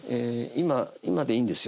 今今でいいんですよ